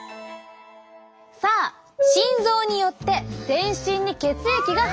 さあ心臓によって全身に血液が運ばれます。